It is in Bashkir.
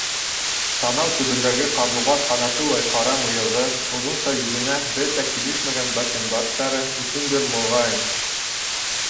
Танау төбөндәге ҡарлуғас ҡанатылай ҡара мыйығы, оҙонса йөҙөнә бер ҙә килешмәгән бакенбардтары өсөндөр, моғайын.